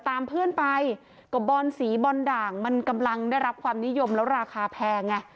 ตามเพื่อนไปก็บอลสีบอลด่างมันกำลังได้รับความนิยมแล้วราคาแพงไง